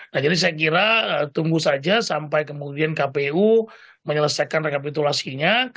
nah jadi saya kira tunggu saja sampai kemudian kpu menyelesaikan rekapitulasinya